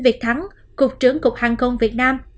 việt thắng cục trưởng cục hàng không việt nam